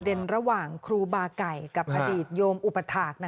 ระหว่างครูบาไก่กับอดีตโยมอุปถาค